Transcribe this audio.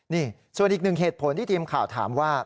นี่ส่วนอีกหนึ่งเหตุผลที่ทีมข่าวถามว่า